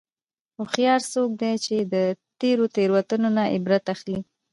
هوښیار څوک دی چې د تېرو تېروتنو نه عبرت اخلي.